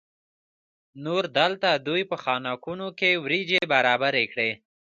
نور دلته دوی په خانکونو کې وریجې برابرې کړې.